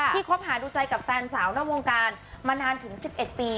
คบหาดูใจกับแฟนสาวนอกวงการมานานถึง๑๑ปี